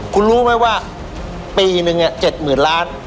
คุณรู้ไหมว่าปีหนึ่ง๗หมื่นล้าน